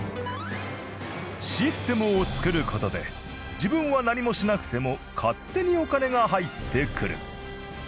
システムを作る事で自分は何もしなくても勝手にお金が入ってくる。